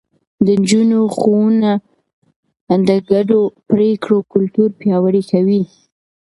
د نجونو ښوونه د ګډو پرېکړو کلتور پياوړی کوي.